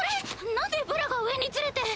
なんでブラが上にずれて。